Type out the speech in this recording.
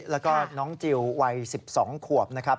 แล้วก็น้องจิลวัย๑๒ขวบนะครับ